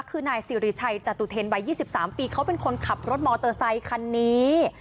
คือนายสิริชัยจตุเทนวัย๒๓ปีเขาเป็นคนขับรถมอเตอร์ไซคันนี้